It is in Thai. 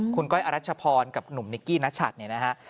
คุณก้อยอะรัชพรกับหนุ่มนิกิชาวนิกินัชหัท